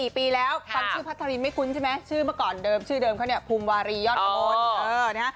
เป็นอีกคนที่หน้าเด็กเด็กจน